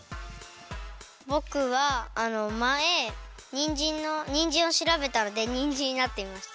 ぼくはあのまえにんじんのにんじんをしらべたのでにんじんになってみました。